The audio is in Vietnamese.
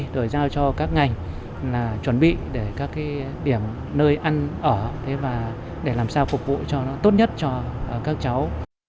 rồi giao cho các ngành là chuẩn bị để các điểm nơi ăn ở và để làm sao phục vụ cho nó tốt nhất cho các cháu